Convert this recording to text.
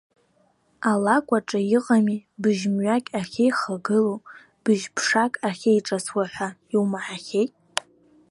Алакә аҿы иҟами, бжь-мҩак ахьеихагылоу, бжь-ԥшак ахьеиҿасуа ҳәа, иумаҳахьеи?